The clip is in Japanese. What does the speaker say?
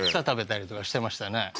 食べたりとかしてましたね